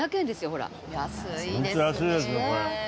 ホント安いですねこれ。